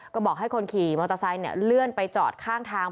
ก็บอกให้คนขี่มอเตอร์ไซค์เลื่อนไปจอดข้างทาง